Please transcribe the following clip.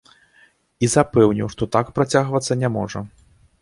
І запэўніў, што так працягвацца не можа.